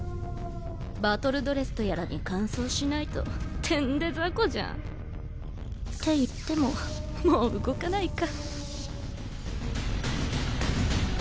バトルドレスとやらに換装しないとてんでザコじゃん。っていってももう動かないか。